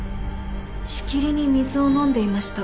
しきりに水を飲んでいました。